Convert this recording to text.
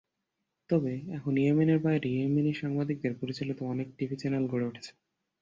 তবে এখন ইয়েমেনের বাইরে ইয়েমেনি সাংবাদিকদের পরিচালিত অনেক টিভি চ্যানেল গড়ে উঠেছে।